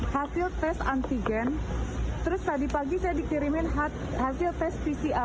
hasil tes antigen terus tadi pagi saya dikirimin hasil tes pcr